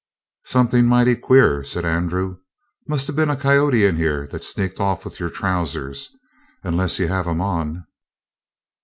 "Something mighty queer," said Andrew. "Must have been a coyote in here that sneaked off with your trousers, unless you have 'em on."